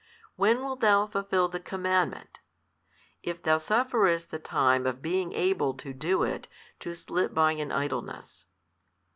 when wilt thou fulfil the commandment, if thou sufferest the time of being able to do it to slip by in idleness?